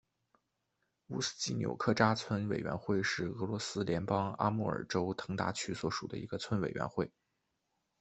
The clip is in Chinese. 乌斯季纽克扎村委员会是俄罗斯联邦阿穆尔州腾达区所属的一个村委员会。